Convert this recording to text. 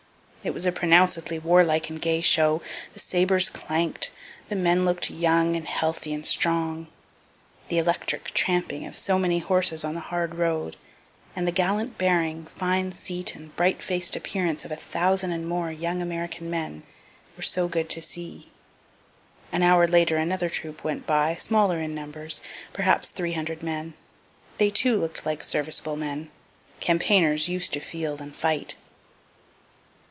It was a pronouncedly warlike and gay show; the sabres clank'd, the men look'd young and healthy and strong; the electric tramping of so many horses on the hard road, and the gallant bearing, fine seat, and bright faced appearance of a thousand and more handsome young American men, were so good to see. An hour later another troop went by, smaller in numbers, perhaps three hundred men. They too look'd like serviceable men, campaigners used to field and fight.